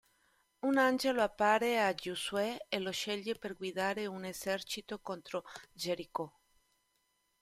Un angelo appare a Giosuè e lo sceglie per guidare un esercito contro Gerico.